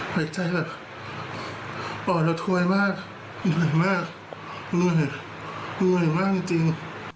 หายใจแบบปอดแล้วทวยมากเหนื่อยมากเหนื่อยเหนื่อยมากจริง